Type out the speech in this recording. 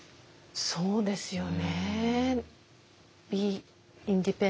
そうですよね。